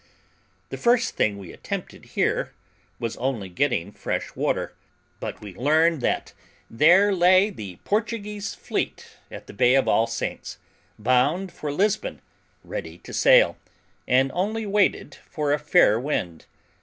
The first thing we attempted here was only getting fresh water, but we learnt that there lay the Portuguese fleet at the bay of All Saints, bound for Lisbon, ready to sail, and only waited for a fair wind.